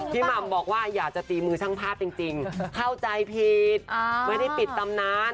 หม่ำบอกว่าอยากจะตีมือช่างภาพจริงเข้าใจผิดไม่ได้ปิดตำนาน